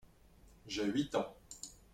J'ai huit ans.